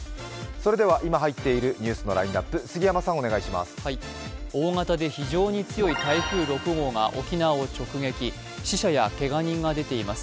それでは今入っているニュースのラインナップ、杉山さん、大型で非常に強い台風６号が沖縄を直撃、死者やけが人が出ています。